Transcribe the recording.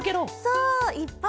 そういっぱい。